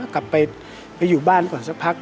กลับไปอยู่บ้านก่อนสักพัก